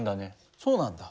そうなんだ。